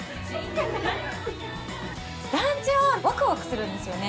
団地はワクワクするんですよね。